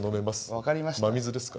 分かりましたよ。